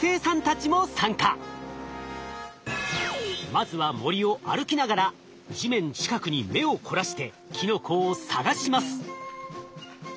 まずは森を歩きながら地面近くに目を凝らしてキノコを探します。